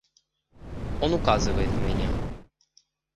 Он указывает на меня.